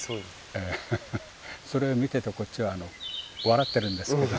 それ見ててこっちは笑ってるんですけど。